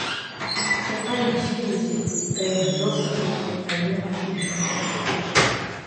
Шаҟа ибзиоузеи, Гаивазовски, аҩы ахьышәымжәуа!